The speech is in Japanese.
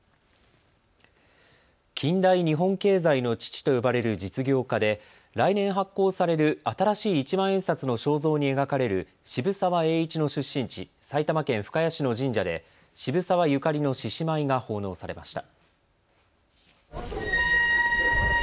近代日本経済の父と呼ばれる実業家で来年発行される新しい一万円札の肖像に描かれる渋沢栄一の出身地、埼玉県深谷市の神社で渋沢ゆかりの獅子舞が奉納されました。